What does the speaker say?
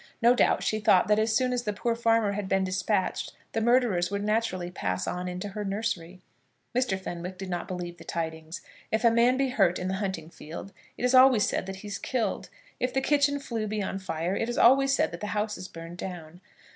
No doubt she thought that as soon as the poor farmer had been despatched, the murderers would naturally pass on into her nursery. Mr. Fenwick did not believe the tidings. If a man be hurt in the hunting field, it is always said that he's killed. If the kitchen flue be on fire, it is always said that the house is burned down.